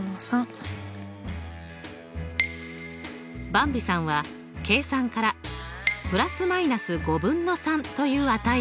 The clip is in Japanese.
ばんびさんは計算から±５分の３という値を出しました。